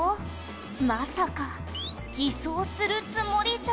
「まさか偽装するつもりじゃ」